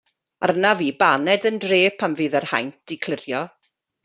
Arnaf i baned yn dre pan fydd yr haint 'di clirio!